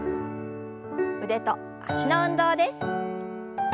腕と脚の運動です。